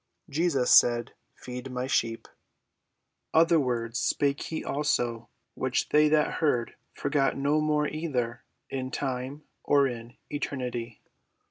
Jesus said, "Feed my sheep." Other words spake he also which they that heard forgot no more either in time or in eternity.